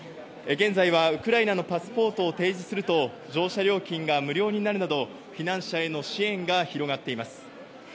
現在はウクライナのパスポートを提示すると乗車料金が無料になるなど避難者への支援が広がっています。